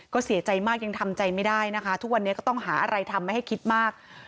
ก็เสียใจมากยังทำใจไม่ได้นะคะทุกวันนี้ก็ต้องหาอะไรทำให้คิดมาก